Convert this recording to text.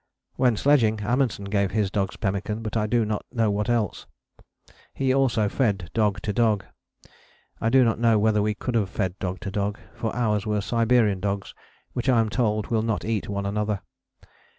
When sledging, Amundsen gave his dogs pemmican but I do not know what else: he also fed dog to dog: I do not know whether we could have fed dog to dog, for ours were Siberian dogs which, I am told, will not eat one another.